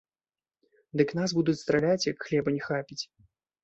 Дык нас будуць страляць, як хлеба не хапіць!